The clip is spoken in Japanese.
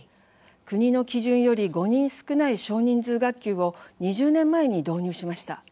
国の基準より５人少ない少人数学級を２０年前に導入しました。